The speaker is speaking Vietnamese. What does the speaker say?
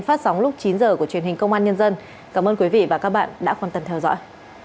phát sóng lúc chín h của truyền hình công an nhân dân cảm ơn quý vị và các bạn đã quan tâm theo dõi